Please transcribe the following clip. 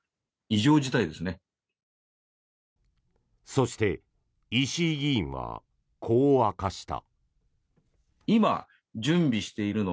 そして石井議員はこう明かした。